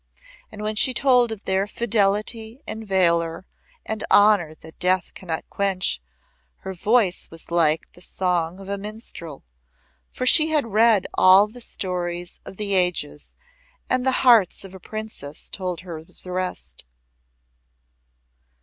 And when she told of their fidelity and valour and honour that death cannot quench, her voice was like the song of a minstrel, for she had read all the stories of the ages and the heart of a Princess told her the rest.